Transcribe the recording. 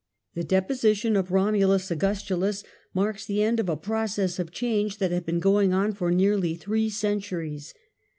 The deposi tion of Romulus Augustulus marks the end of a process of change that had been going on for nearly three centuries.